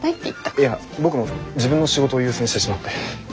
いや僕も自分の仕事を優先してしまって。